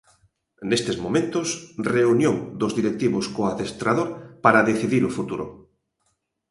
Nestes momentos, reunión dos directivos co adestrador para decidir o futuro.